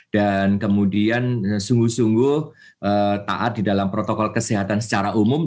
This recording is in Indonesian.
dan kemudian sungguh sungguh taat di dalam protokol kesehatan secara umum